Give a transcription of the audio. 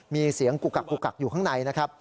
มีเสียงกุกักอยู่ข้างในนะครับ